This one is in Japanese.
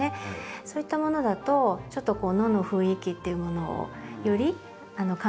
そういったものだとちょっと野の雰囲気っていうものをより感じやすくなるかと思いますので。